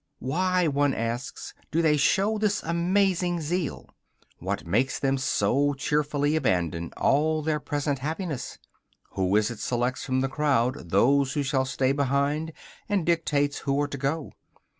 Why, one asks, do they show this amazing zeal; what makes them so cheerfully abandon all their present happiness? Who is it selects from the crowd those who shall stay behind, and dictates who are to go?